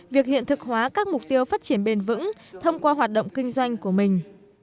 việc hiện thực hóa các mục tiêu phát triển bền vững thông qua hoạt động kinh doanh của mình